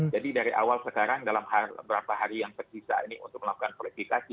jadi dari awal sekarang dalam beberapa hari yang terpisah ini untuk melakukan politikasi